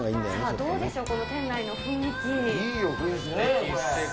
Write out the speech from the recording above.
どうでしょう、この店内の雰いいよ、雰囲気。